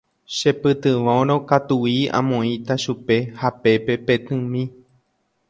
Chepytyvõrõ katui amoĩta chupe hapépe petỹmi.